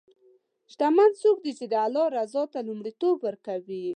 شتمن څوک دی چې د الله رضا ته لومړیتوب ورکوي.